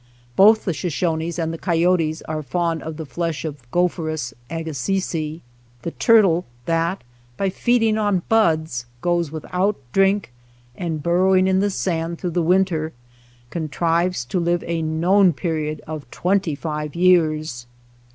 Both the Shoshones and the coyotes are fond of the flesh of Gophertts agassizii, the turtle that by feeding on buds, going without drink, and burrowing in the sand through the winter, contrives to live a known period of twenty five years.